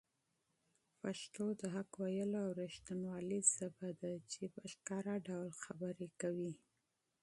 پښتو د حق ویلو او رښتینولۍ ژبه ده چي په ښکاره ډول خبرې کوي.